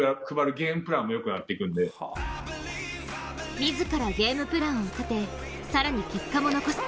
自らゲームプランを立て更に結果も残す。